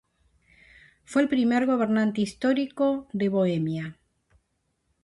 Fue el primer gobernante histórico de Bohemia.